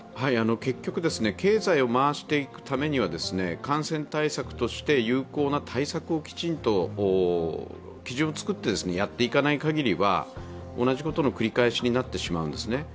結局、経済を回していくためには感染対策として有効な対策をきちんと基準を作ってやっていかないかぎりは同じことの繰り返しになってしまうんですね。